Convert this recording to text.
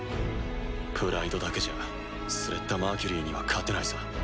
プライドだけじゃスレッタ・マーキュリーには勝てないさ。